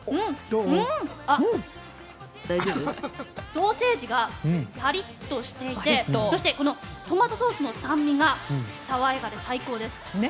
ソーセージがパリッとしていてそして、トマトソースの酸味が爽やかで最高です。